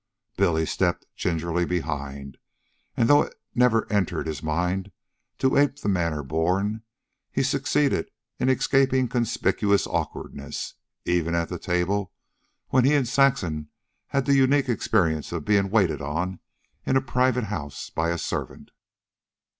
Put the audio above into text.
Billy stepped gingerly behind, and though it never entered his mind to ape to the manner born, he succeeded in escaping conspicuous awkwardness, even at the table where he and Saxon had the unique experience of being waited on in a private house by a servant.